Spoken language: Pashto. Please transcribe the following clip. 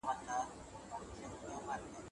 تضاد د ټولني لپاره زهر دی.